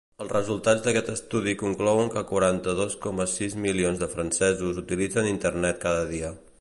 Els resultats d'aquest estudi conclouen que quaranta-dos coma sis milions de francesos utilitzen Internet cada dia.